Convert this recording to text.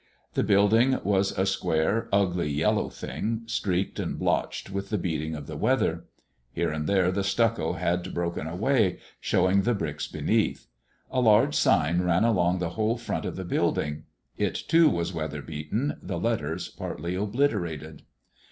The building was a square, ugly, yellow thing, streaked and blotched with the beating of the weather. Here and there the stucco had broken away, showing the bricks beneath. A large sign ran along the whole front of the building. It, too, was weather beaten, the letters partly obliterated.